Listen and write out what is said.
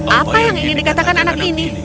apa yang ingin dikatakan anak ini